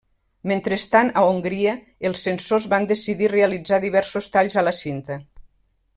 Mentrestant a Hongria, els censors van decidir realitzar diversos talls a la cinta.